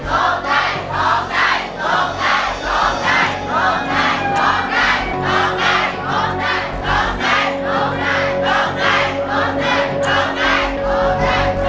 โอเคโอเคโอเค